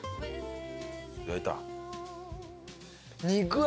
焼いた？